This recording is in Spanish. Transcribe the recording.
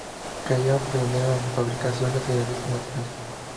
Kellogg, pionero en la fabricación de cereales matinales.